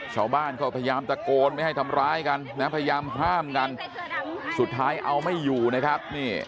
ชาวบ้านก็พยายามตะโกนไม่ให้ทำร้ายกันนะพยายามห้ามกันสุดท้ายเอาไม่อยู่นะครับ